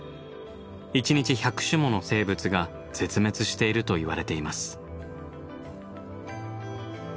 一日１００種もの生物が絶滅しているといわれています。